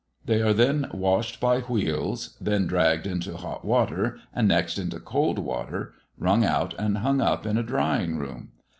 They are then washed by wheels; then dragged into hot water and next into cold water, wrung out and hung up in a drying room.